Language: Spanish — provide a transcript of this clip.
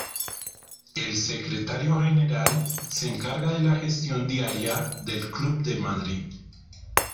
El Secretario General se encarga de la gestión diaria del Club de Madrid.